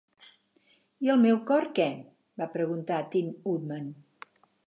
"I el meu cor, què?", va preguntar Tin Woodman.